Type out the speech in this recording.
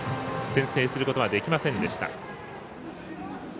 先制することはできませんでした。